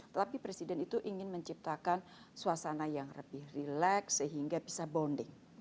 tetapi presiden itu ingin menciptakan suasana yang lebih relax sehingga bisa bonding